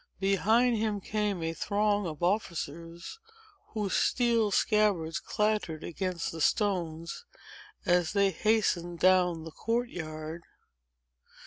Behind him came a throng of officers, whose steel scabbards clattered against the stones, as they hastened down the court yard.